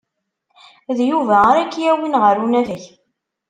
D Yuba ara k-yawin ɣer unafag.